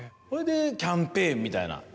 それでキャンペーンみたいな。